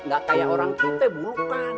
gak kaya orang cintai bulukan